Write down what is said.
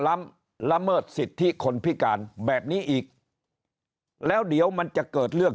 ล้ำละเมิดสิทธิคนพิการแบบนี้อีกแล้วเดี๋ยวมันจะเกิดเรื่อง